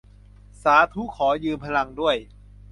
สาธุ ขอยืมพลังด้วย